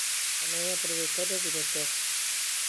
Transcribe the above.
Tamén é produtor e director.